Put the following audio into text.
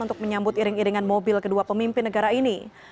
untuk menyambut iring iringan mobil kedua pemimpin negara ini